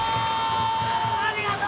ありがとう！